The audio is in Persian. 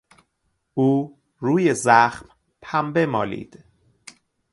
او روی زخم پنبه مالید.